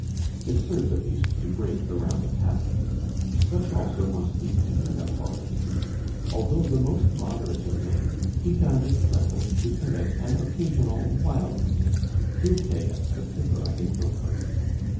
It serves at least to break the round of habit. Such also was the opinion of Horace. Although the most moderate of men, he found it pleasant to commit an occasional wildness ("dulce est desipere in loco").